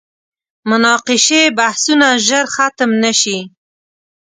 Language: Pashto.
مناقشې بحثونه ژر ختم نه شي.